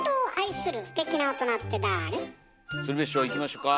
鶴瓶師匠いきましょか。